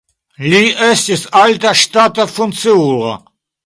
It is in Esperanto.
Li estis alta ŝtata funkciulo.